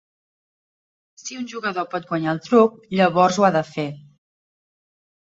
Si un jugador pot guanyar el truc, llavors ho ha de fer.